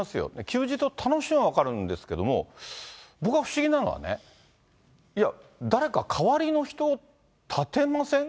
休日を楽しむのは分かるんですけど、僕が不思議なのはね、いや、誰か代わりの人立てません？